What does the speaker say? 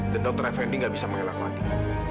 dan dr effendi nggak bisa mengelak lagi